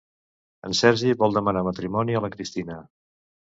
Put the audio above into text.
En Sergi vol demanar matrimoni a la Cristina.